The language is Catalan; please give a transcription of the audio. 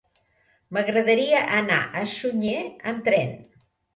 M'agradaria anar a Sunyer amb tren.